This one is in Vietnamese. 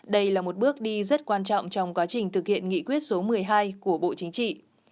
đây là một bước đi rất quan trọng trong quá trình thực hiện nghị quyết số một mươi hai của bộ chính trị